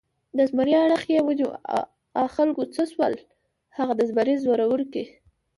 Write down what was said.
د زمري اړخ یې ونیو، آ خلکو څه شول هغه د زمري ځوروونکي؟